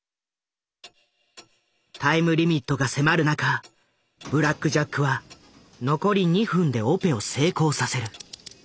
タイムリミットが迫る中ブラック・ジャックは残り２分でオペを成功させる。